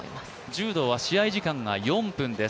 柔道は試合時間が４分です。